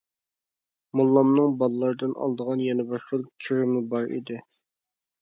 موللامنىڭ بالىلاردىن ئالىدىغان يەنە بىر خىل كىرىمى بار ئىدى.